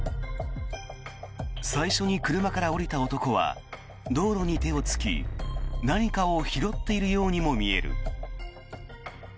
最初に車から降りた男は道路に手をつき何かを拾っているようにも見える。